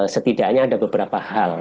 setidaknya ada beberapa hal